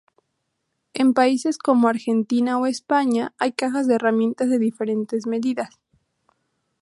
En países como Argentina o España, hay cajas de herramientas de diferentes medidas.